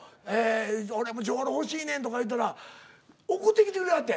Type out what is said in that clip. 「俺もジョウロ欲しいねん」とか言うたら送ってきてくれはってん。